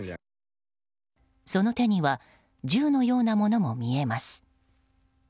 その手には銃のようなものも見えます。